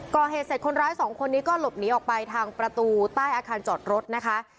ก่อเหตุเสร็จคนร้ายสองคนนี้ก็หลบหนีออกไปทางประตูใต้อาคารจอดรถนะคะ